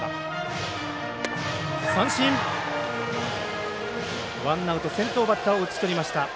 三振、ワンアウト先頭バッターを打ち取りました。